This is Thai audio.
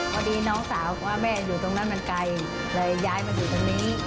พอดีน้องสาวว่าแม่อยู่ตรงนั้นมันไกลเลยย้ายมาอยู่ตรงนี้